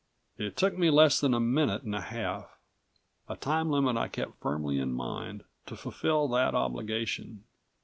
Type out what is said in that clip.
It took me less than a minute and a half a time limit I kept firmly in mind to fulfill that obligation.